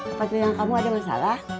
apa itu yang kamu ada masalah